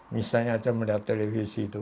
misalnya atau melihat televisi itu